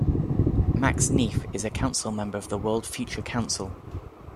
Max Neef is a council member of the World Future Council.